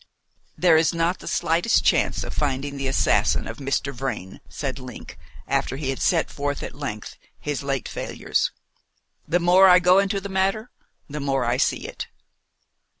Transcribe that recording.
"There is not the slightest chance of finding the assassin of Mr. Vrain," said Link, after he had set forth at length his late failures. "The more I go into the matter the more I see it."